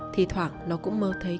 thỉ thoảng nó cũng mơ thấy